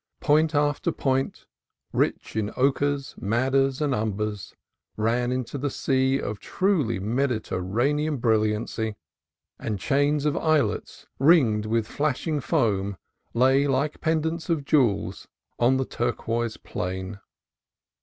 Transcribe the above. Point after point, rich in ochres, madders, and umbers, ran out into a sea of truly Mediterranean brilliancy, and chains of islets ringed with flashing foam lay like pendants of jewels on the turquoise plain.